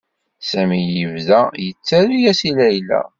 Sami yebda yettaru-as i Layla.